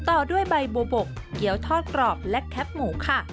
ต่อด้วยใบบัวบกเกี้ยวทอดกรอบและแคปหมูค่ะ